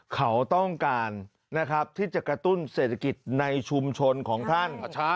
เขาต้องการนะครับที่จะกระตุ้นเศรษฐกิจในชุมชนของท่าน